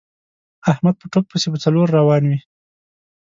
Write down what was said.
احمد په ټوک پسې په څلور روان وي.